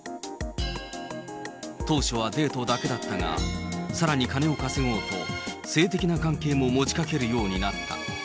当初はデートだけだったが、さらに金を稼ごうと、性的な関係も持ちかけるようになった。